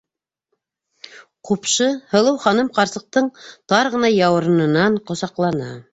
- Ҡупшы, һылыу ханым ҡарсыҡтың тар ғына яурынынан ҡосаҡланы.